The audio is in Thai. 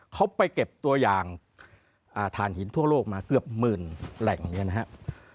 เขาไปเก็บตัวอย่างฐานหินทั่วโลกมาเกือบหมื่นแหล่งเนี่ยนะครับ